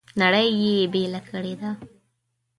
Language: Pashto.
نړۍ یې بېله کړې ده.